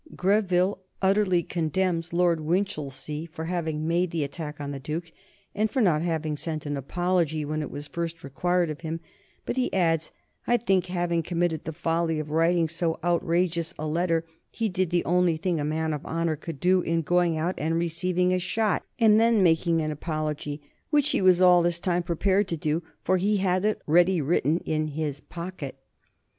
Greville utterly condemns Lord Winchilsea for having made the attack on the Duke, and for not having sent an apology when it was first required of him, but he adds: "I think, having committed the folly of writing so outrageous a letter, he did the only thing a man of honor could do in going out and receiving a shot and then making an apology, which he was all this time prepared to do, for he had it ready written in his pocket."